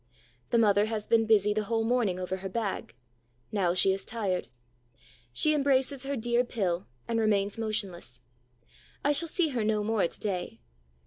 The mother has been busy the whole morning over her bag. Now she is tired. She embraces her dear pill and remains motionless. I shall see her no more to day.